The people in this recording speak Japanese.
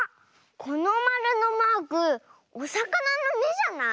このマルのマークおさかなの「め」じゃない？